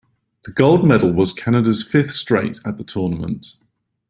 The gold medal was Canada's fifth straight at the tournament.